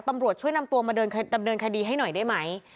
ตำรวจช่วยนำตัวมาดำเนินคดีให้หน่อยได้ไหม